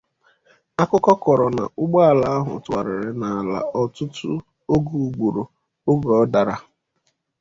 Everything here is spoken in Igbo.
Akụkọ kọrọ na ụgbọala ahụ tụgharịrị n'ala ọtụtụ oge ugboro oge ọ dara